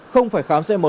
không phải khám xe mới